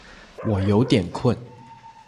我有点困